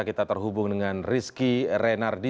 kita terhubung dengan rizky renardi